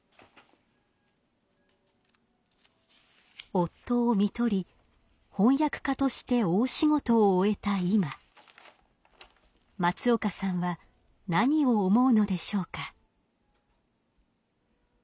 夫をみとり翻訳家として大仕事を終えたいま松岡さんは何を思うのでしょうか？